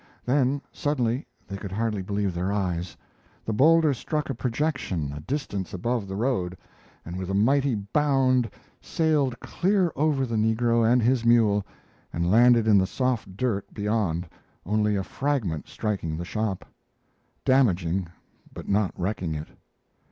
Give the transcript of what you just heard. Then suddenly they could hardly believe their eyes; the boulder struck a projection a distance above the road, and with a mighty bound sailed clear over the negro and his mule and landed in the soft dirt beyond only a fragment striking the shop, damaging but not wrecking it.